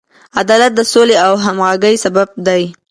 عدالت د سولې او همغږۍ سبب دی.